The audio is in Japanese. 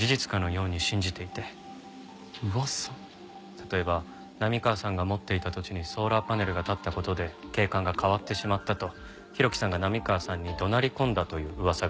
例えば波川さんが持っていた土地にソーラーパネルが立った事で景観が変わってしまったと浩喜さんが波川さんに怒鳴り込んだという噂があります。